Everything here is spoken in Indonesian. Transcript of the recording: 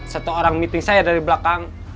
satu orang meeting saya dari belakang